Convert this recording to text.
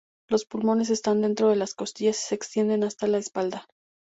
Los pulmones están dentro de las costillas y se extienden hasta la espalda.